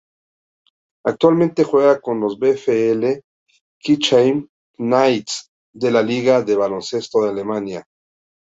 Actualmente juega para los VfL Kirchheim Knights de la Liga de baloncesto de Alemania.